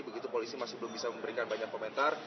begitu polisi masih belum bisa memberikan banyak komentar